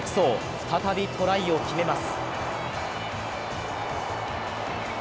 再びトライを決めます。